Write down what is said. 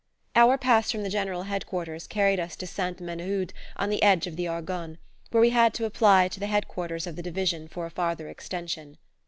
Our pass from the General Head quarters carried us to Sainte Menehould on the edge of the Argonne, where we had to apply to the Head quarters of the division for a farther extension.